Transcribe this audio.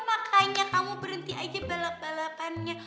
makanya kamu berhenti aja balap balapannya